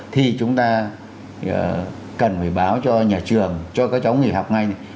thì chúng ta cần phải báo cho nhà trường cho các cháu nghỉ học ngay